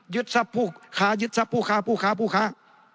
ยึดซับผู้ค้ายึดซับผู้ค้าผู้ค้าผู้ค้า